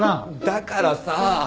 だからさぁ。